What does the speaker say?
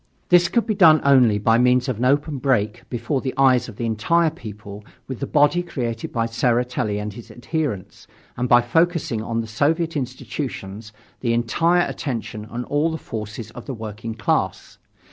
This could be done only by means of an open break, before the eyes of the entire people, with the body created by Tseretelli and his adherents, and by focusing on the Soviet institutions, the entire attention and all the forces of the working class.